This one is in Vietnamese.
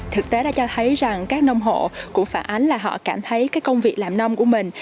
thực tế đã cho thấy rằng các nông hộ cũng phản ánh là họ cảm thấy cái công việc làm nông của mình